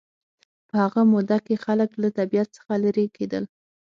په هغه موده کې خلک له طبیعت څخه لېرې کېدل